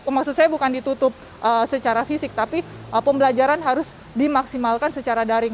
maksud saya bukan ditutup secara fisik tapi pembelajaran harus dimaksimalkan secara daring